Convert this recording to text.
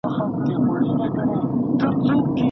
ايا علماء د نکاح د خطرونو پوهاوی عاموي؟